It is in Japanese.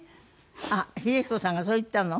あっ秀彦さんがそう言ったの？